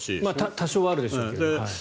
多少はあるでしょうけど。